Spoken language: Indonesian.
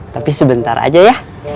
tapi sebentar aja ya